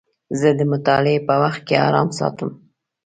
زه د مطالعې په وخت کې ارام ساتم.